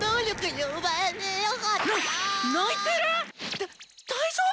だ大丈夫？